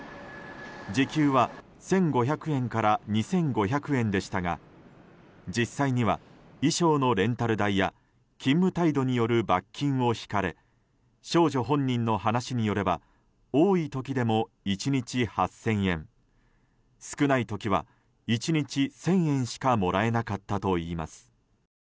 時給は１５００円から２５００円でしたが実際には、衣装のレンタル代や勤務態度による罰金を引かれ少女本人の話によれば多い時でも１日８０００円少ない時は１日１０００円しかもらえなかったといいます。